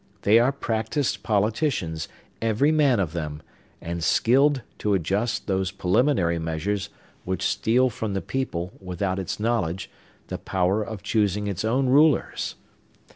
They are practised politicians, every man of them, and skilled to adjust those preliminary measures which steal from the people, without its knowledge, the power of choosing its own rulers.